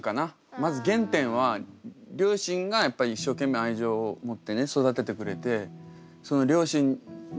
まず原点は両親がやっぱ一生懸命愛情を持ってね育ててくれて。